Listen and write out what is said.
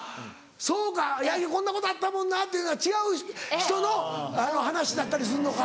そうか「八木こんなことあったもんな」っていうのが違う人の話だったりするのか。